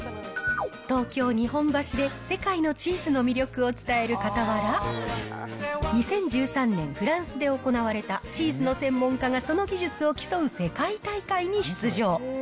東京・日本橋で世界のチーズの魅力を伝えるかたわら、２０１３年、フランスで行われた、チーズの専門家がその技術を競う世界大会に出場。